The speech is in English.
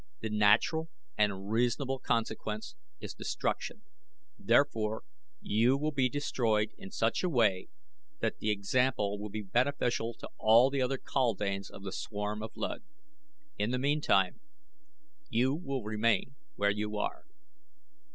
The natural, and reasonable, consequence is destruction. Therefore you will be destroyed in such a way that the example will be beneficial to all other kaldanes of the swarm of Luud. In the meantime you will remain where you are."